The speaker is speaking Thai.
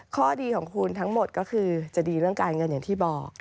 ข้อดีของคุณทั้งหมดก็คือจะดีเรื่องการเงินอย่างที่บอก